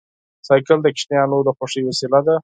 بایسکل د ماشومانو د خوښۍ وسیله ده.